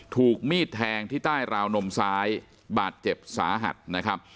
ถูกมีดแทงที่ใต้ราวนมซ้ายบาดเจ็บสาหัสนะครับ